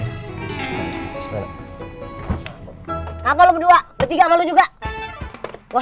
senangnya kalau bisa seluruh keluarga berkumpul alhamdulillah